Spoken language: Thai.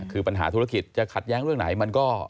คือปัญหาธุรกิจจะขัดแย้งเรื่องไหนมันก็